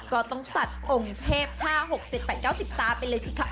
ก็ต้องจัดองค์เทพห้าหกเจ็ดแปดเก้าสิบสตาร์ไปเลยสิคะ